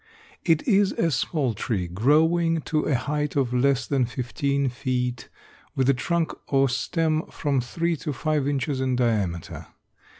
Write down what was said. It is a small tree, growing to a height of less than fifteen feet, with a trunk or stem from three to five inches in diameter.